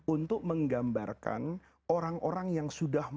untuk menggambarkan orang orang yang sudah